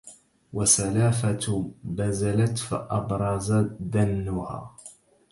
وسلافة بزلت فأبرز دنها